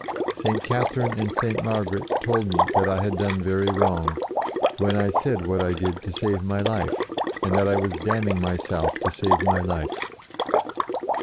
" St. Catherine and St. Margaret told me that I had done very wrong, when I said what I did to save my life, and that I was damning myself to save my life."